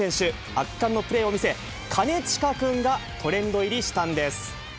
圧巻のプレーを見せ、金近くんがトレンド入りしたんです。